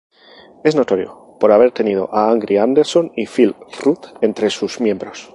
Es notorio por haber tenido a Angry Anderson y Phil Rudd entre sus miembros.